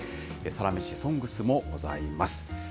サラメシ、ＳＯＮＧＳもございます。